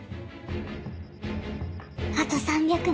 あと３００人。